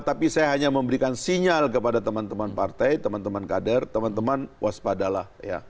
tapi saya hanya memberikan sinyal kepada teman teman partai teman teman kader teman teman waspadalah